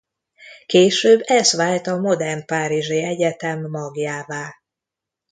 Később ez vált a modern párizsi egyetem magjává.